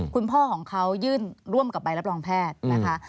คุณพ่อของเขายื่นร่วมกับใบรับรองแพทย์นะคะ